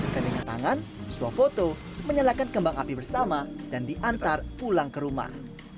dan dengan tangan suap foto menyalakan kembang api bersama dan diantar pulang ke rumah